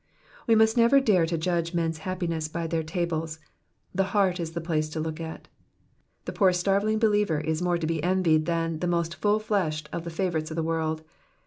We must never dnre to judge men^s happiness by their tables, the heart is the place to look at. The poorest starveling believer is more to be envied than the most full fleshed of the favourites of the world.